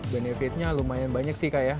benefitnya lumayan banyak sih kak ya